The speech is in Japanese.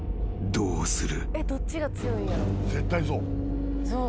どうなる？］